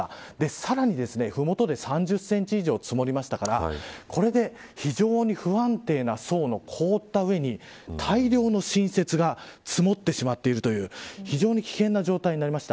さらに麓で３０センチ以上積もりましたからこれで非常に不安定な層の凍った上に大量の新雪が積もってしまっているという非常に危険な状態になりました。